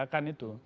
apk kan itu